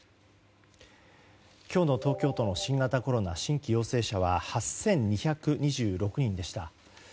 今日の東京都の新型コロナ新規陽性者は８２２６人でした。